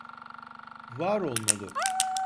Var olmalı…